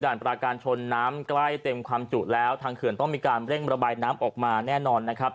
ปราการชนน้ำใกล้เต็มความจุแล้วทางเขื่อนต้องมีการเร่งระบายน้ำออกมาแน่นอนนะครับ